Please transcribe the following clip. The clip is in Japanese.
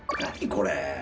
これ。